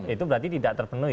itu berarti tidak terpenuhi